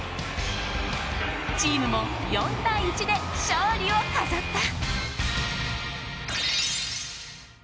チームも４対１で勝利を飾った！